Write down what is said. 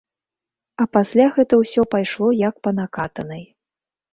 А пасля гэта ўсё пайшло як па накатанай.